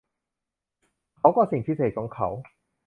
เขาก็สิ่งพิเศษของเขา